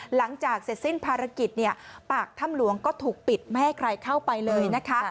หลังจากเสร็จสิ้นภารกิจเนี่ยปากถ้ำหลวงก็ถูกปิดไม่ให้ใครเข้าไปเลยนะคะ